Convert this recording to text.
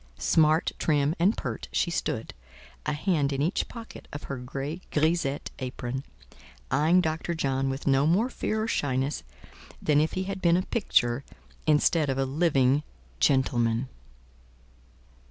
Smart, trim and pert, she stood, a hand in each pocket of her gay grisette apron, eyeing Dr. John with no more fear or shyness than if he had been a picture instead of a living gentleman.